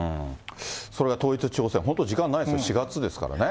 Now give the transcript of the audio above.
それから統一地方選、本当時間ないですよ、４月ですからね。